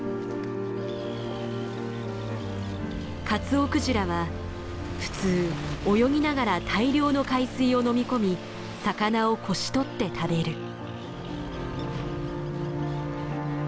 カツオクジラは普通泳ぎながら大量の海水を飲み込み魚をこし取って食べる。